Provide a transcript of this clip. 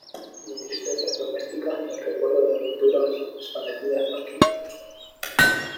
Ni tristezas domésticas ni el recuerdo de venturas desvanecidas nos quitan el sueño.